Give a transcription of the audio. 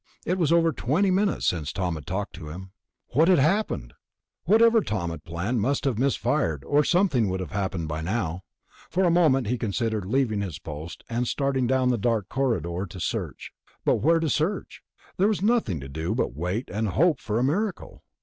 It was over twenty minutes since Tom had talked to him. What had happened? Whatever Tom had planned must have misfired, or something would have happened by now. For a moment he considered leaving his post and starting down the dark corridor to search ... but where to search? There was nothing to do but wait and hope for a miracle.